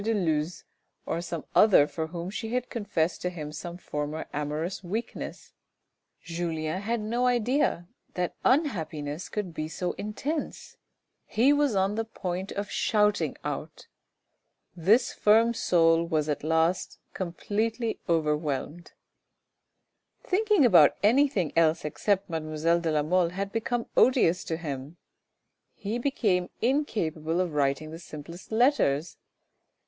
de Luz, or some other for whom she had confessed to him some former amorous weakness ! Julien had no idea that unhappiness could be so intense ; he was on the point of shouting out. This firm soul was at last completely overwhelmed. Thinking about anything else except mademoiselle de la Mole had become odious to him ; he became incapable of writing the simplest letters.